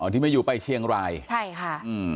อ๋อที่มาอยู่ไปเชียงรายใช่ค่ะ